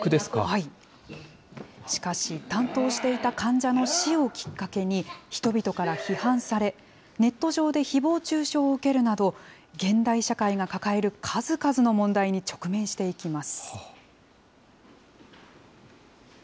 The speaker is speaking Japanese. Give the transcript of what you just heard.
しかし、担当していた患者の死をきっかけに、人々から批判され、ネット上でひぼう中傷を受けるなど、現代社会が抱える数々の問題に直面していきます。